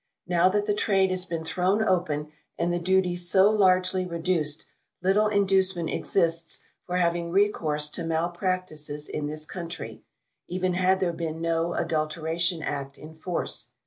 Now that the trade has been thrown open, and the duties so largely reduced, little inducement exists for having recourse to malpractices in this country, even had there been no Adulteration Act in force.